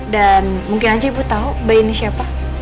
dan mungkin aja ibu tau bayi ini siapa